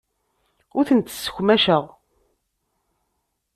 Ur tent-ssekmaceɣ.